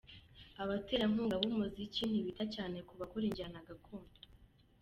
Abaterankunga b’umuziki ntibita cyane ku bakora injyana gakondo.